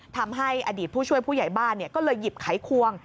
ทำให้อดีตผู้ช่วยผู้ใหญ่บ้านก็เลยหยิบไขควง